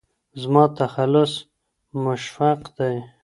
زما تخلص مشفق دی